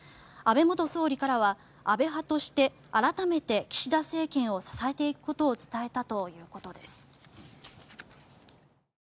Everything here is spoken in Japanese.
安倍元総理からは安倍派として改めて岸田政権を支えていくことを伝えたということです。